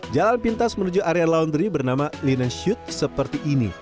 jalan pintas menuju area laundry bernama lina shoot seperti ini